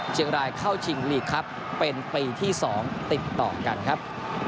เชียงรายเข้าชิงลีกครับเป็นปีที่๒ติดต่อกันครับ